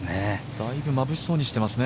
だいぶ、まぶしそうにしてますね。